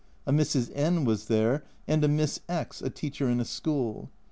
A Mrs. N was there, and a Miss X , a teacher in a school.